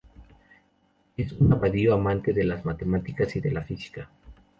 Es un ávido amante de las matemáticas y de la física.